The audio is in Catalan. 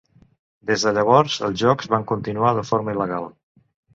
Des de llavors els jocs van continuar de forma il·legal.